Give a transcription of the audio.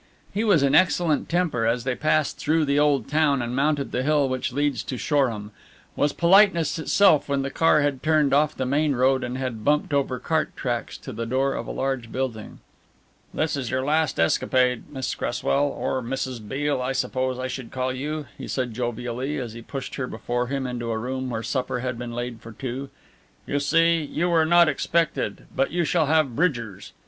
He was in an excellent temper as they passed through the old town and mounted the hill which leads to Shoreham, was politeness itself when the car had turned off the main road and had bumped over cart tracks to the door of a large building. "This is your last escapade, Miss Cresswell, or Mrs. Beale I suppose I should call you," he said jovially, as he pushed her before him into a room where supper had been laid for two. "You see, you were not expected, but you shall have Bridgers'.